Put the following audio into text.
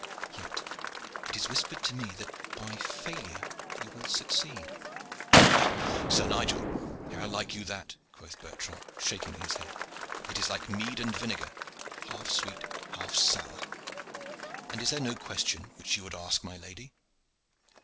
Yet it is whispered to me that by failure you will succeed." "Ha! Sir Nigel, how like you that?" quoth Bertrand, shaking his head. "It is like mead and vinegar, half sweet, half sour. And is there no question which you would ask my lady?"